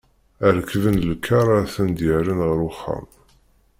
Rekben-d lkar ara ten-d-yerren ɣer uxxam.